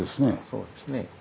そうですね。